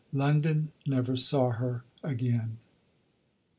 London never saw her again.